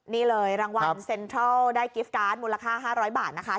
นี่เลยรางวัลเซ็นทรัลได้กิฟต์การ์ดมูลค่า๕๐๐บาทนะคะ